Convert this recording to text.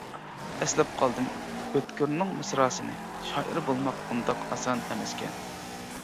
ئەسلەپ قالدىم ئۆتكۈرنىڭ مىسراسىنى، شائىر بولماق ئۇنداق ئاسان ئەمەسكەن.